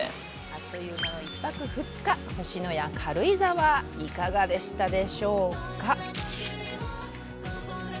あっという間の１泊２日星のや軽井沢、いかがでしたか？